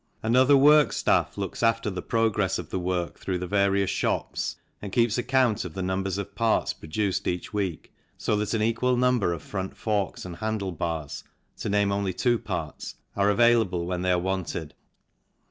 Another works staff looks after the progress of the work through the various shops and keeps account of the numbers of parts produced each week, so that an equal 45 46 THE CYCLE INDUSTRY number of front forks and handle bars, to name only two parts, are available when they are wanted.